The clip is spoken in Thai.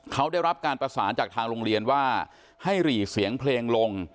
เขาได้รับการประสานจากทางโรงเรียนว่าให้หรี่เสียงเพลงลง